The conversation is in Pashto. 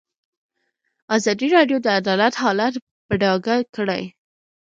ازادي راډیو د عدالت حالت په ډاګه کړی.